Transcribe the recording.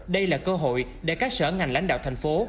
đây là cơ hội để các sở ngành lãnh đạo thành phố